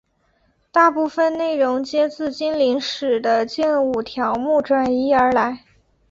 大部分内容皆自精灵使的剑舞条目转移而来。